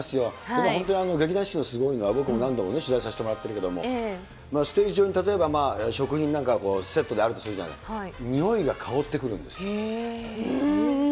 でも本当に劇団四季のすごいのは、僕も何度も取材させてもらっているけれども、ステージ上に例えば食品なんかセットであるとするじゃない、においが香ってくるんですよ。